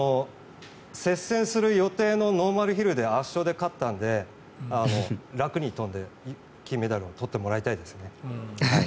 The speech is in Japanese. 接戦する予定のノーマルヒルで圧勝で勝ったので楽に飛んで金メダルを取ってもらいたいですね。